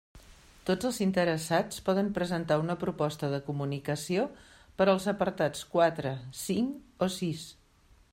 Tots els interessats poden presentar una proposta de comunicació per als apartats quatre, cinc o sis.